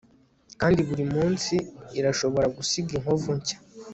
kandi burimunsi irashobora gusiga inkovu nshya